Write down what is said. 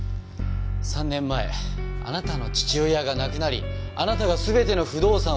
３年前あなたの父親が亡くなりあなたが全ての不動産を引き継いだ年です。